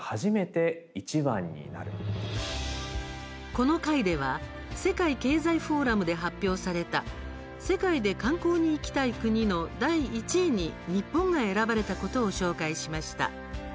この回では世界経済フォーラムで発表された世界で観光に行きたい国の第１位に日本が選ばれたことを紹介しました。